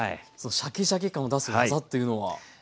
シャキシャキ感を出す技っていうのは。